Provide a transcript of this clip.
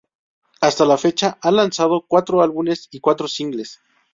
Hasta la fecha ha lanzado cuatro álbumes y cuatro singles.